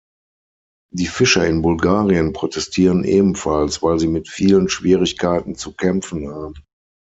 Die Fischer in Bulgarien protestieren ebenfalls, weil sie mit vielen Schwierigkeiten zu kämpfen haben.